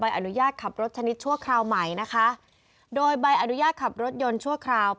อนุญาตขับรถชนิดชั่วคราวใหม่นะคะโดยใบอนุญาตขับรถยนต์ชั่วคราว